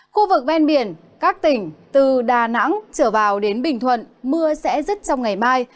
khu vực ven biển các tỉnh từ đà nẵng trở vào đến bình thuận mưa sẽ rứt trong ngày mai